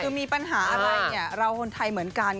คือมีปัญหาอะไรเนี่ยเราคนไทยเหมือนกัน